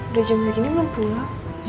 udah jam segini belum pulang